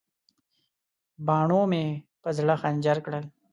باڼو مې په زړه خنجر کړل.